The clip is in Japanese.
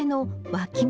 わき芽？